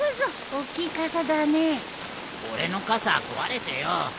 俺の傘壊れてよ。